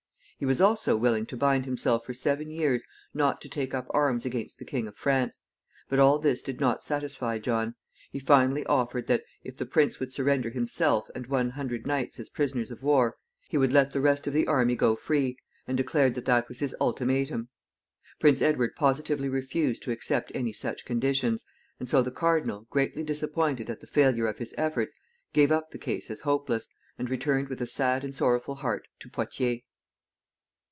He was also willing to bind himself for seven years not to take up arms against the King of France. But all this did not satisfy John. He finally offered that, if the prince would surrender himself and one hundred knights as prisoners of war, he would let the rest of the army go free, and declared that that was his ultimatum. Prince Edward positively refused to accept any such conditions, and so the cardinal, greatly disappointed at the failure of his efforts, gave up the case as hopeless, and returned with a sad and sorrowful heart to Poictiers.